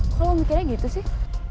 kok lo mikirnya gitu sih